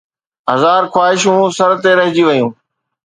هزار خواهشون سر تي رهجي ويون